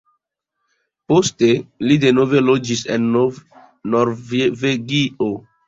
Poste li denove loĝis en Norvegio.